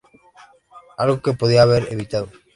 Algo que se podría haber evitado.